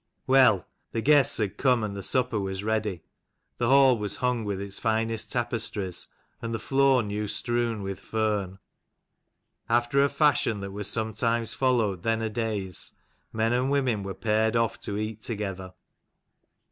Well, the guests had come and the supper was ready. The hall was hung with its finest tapestries, and the floor new strewn with fern. After a fashion that was sometimes followed then a days, men and women were paired off to eat together.